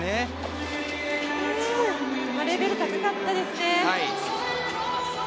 レベル高かったですね。